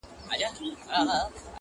• لاره نه را معلومیږي سرګردان یم ,